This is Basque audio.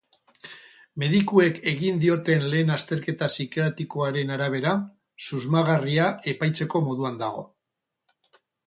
Medikuek egin dioten lehen azterketa psikiatrikoaren arabera, susmagarria epaitzeko moduan dago.